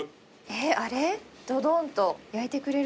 えっあれ？